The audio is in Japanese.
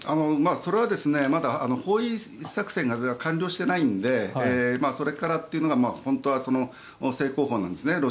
それはまだ包囲作戦が完了してないのでそれからというのが本当は正攻法なんですね。